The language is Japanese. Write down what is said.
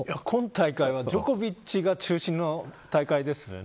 今大会はジョコビッチが中心の大会です。